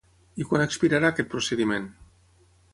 I quan expirarà aquest procediment?